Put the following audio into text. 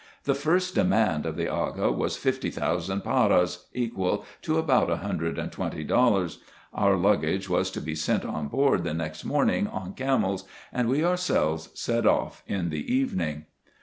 The first demand of the Aga was fifty thousand paras, equal to about a hundred and twenty dollars. Our luggage was to be sent on board the next morning on camels, and we ourselves set off in the evening.